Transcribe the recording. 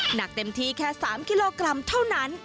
หนักเต็มที่แค่๓กิโลกรัมเท่านั้น